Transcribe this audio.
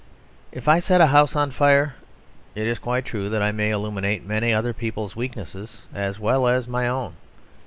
If I set a house on fire, it is quite true that I may illuminate many other people's weaknesses as well as my own.